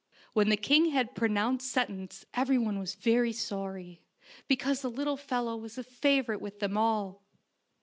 When the king had pronounced sentence everyone was very sorry, because the little fellow was a favorite with them all.